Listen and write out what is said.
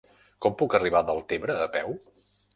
Com puc arribar a Deltebre a peu?